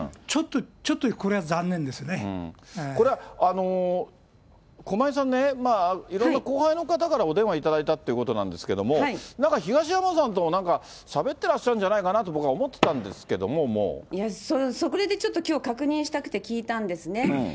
ちょっとこれは残念でこれは、駒井さんね、いろいろ後輩の方からお電話いただいたということなんですけれども、なんか東山さんともなんか、しゃべってらっしゃるんじゃないかなと僕は思ってたんですけども、いや、それでちょっときょう、確認したくて聞いたんですね。